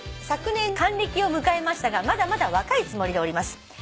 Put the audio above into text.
「昨年還暦を迎えましたがまだまだ若いつもりでおります」